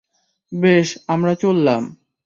বেশ, আমরা চললাম।